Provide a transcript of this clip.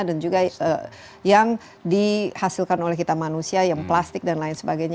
dan juga yang dihasilkan oleh kita manusia yang plastik dan lain sebagainya